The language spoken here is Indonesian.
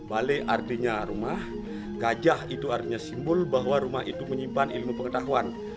bale artinya rumah gajah itu artinya simbol bahwa rumah itu menyimpan ilmu pengetahuan